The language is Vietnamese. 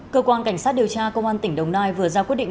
cơ quan cảnh sát điều tra công an tỉnh đồng nai vừa ra quyết định